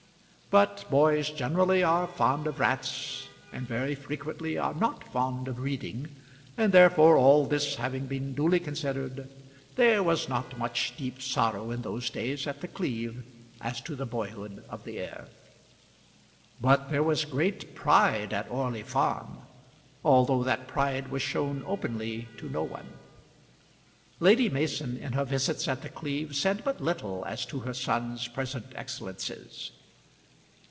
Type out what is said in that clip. But boys generally are fond of rats, and very frequently are not fond of reading; and therefore, all this having been duly considered, there was not much deep sorrow in those days at The Cleeve as to the boyhood of the heir. But there was great pride at Orley Farm, although that pride was shown openly to no one. Lady Mason in her visits at The Cleeve said but little as to her son's present excellences.